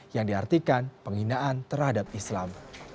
yang diartikan penghinaan terhadap islam